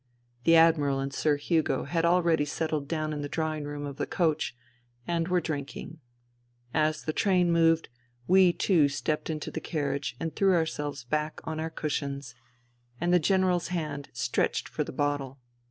The Admiral and Sir Hugo had already settled down in the drawing room of the coach, and were drinking. As the train moved, we too stepped into the carriage and threw ourselves back on our cush ions ; and the General's hand stretched for the bottle.